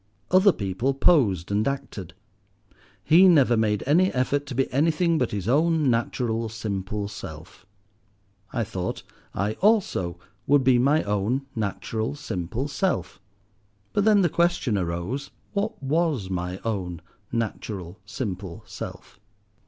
Other people posed and acted. He never made any effort to be anything but his own natural, simple self. I thought I also would be my own natural, simple self. But then the question arose—What was my own natural, simple self?